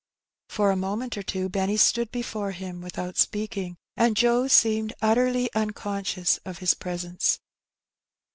For a moment or two Benny stood before him without speaking, and Joe seemed utterly unconscious of his pre sence.